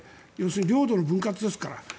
要するに領土の分割ですから。